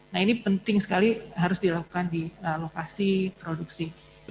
nah ini penting sekali harus dilakukan di lokasi produksi